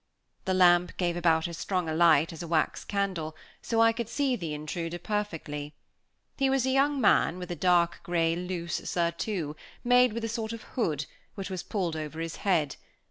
The lamp gave about as strong a light as a wax candle, so I could see the intruder perfectly. He was a young man, with a dark grey loose surtout, made with a sort of hood, which was pulled over his head.